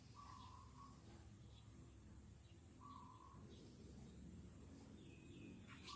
ขวัก